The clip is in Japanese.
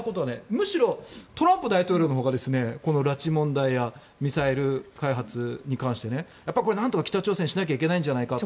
むしろ、トランプ大統領のほうがこの拉致問題やミサイル開発に関してなんとか北朝鮮しないといけないんじゃないかと。